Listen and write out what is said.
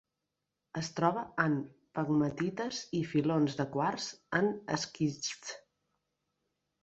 Es troba en pegmatites i filons de quars en esquists.